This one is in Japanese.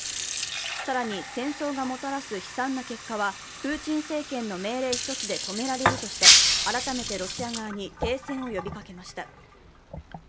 更に、戦争がもたらす悲惨な結果はプーチン政権の命令一つで止められるとして、改めてロシア側に停戦を呼びかけました。